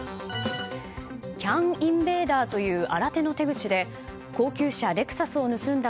ＣＡＮインベーダーという新手の手口で高級車レクサスを盗んだ